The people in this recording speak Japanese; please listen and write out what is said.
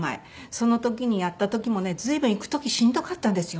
その時にやった時もね随分行く時しんどかったんですよ。